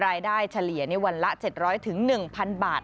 รายได้เฉลี่ยนี้วันละ๗๐๐๑๐๐๐บาท